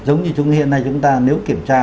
giống như hiện nay chúng ta nếu kiểm tra